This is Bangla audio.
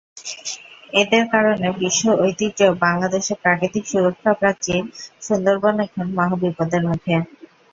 এদের কারণে বিশ্ব ঐতিহ্য, বাংলাদেশের প্রাকৃতিক সুরক্ষা প্রাচীর সুন্দরবন এখন মহাবিপদের মুখে।